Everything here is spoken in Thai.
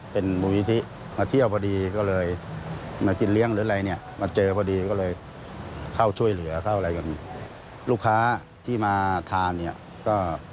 อย่างที่บอกเผ็ดงวดตรวจตาอาวุธทุกอย่าง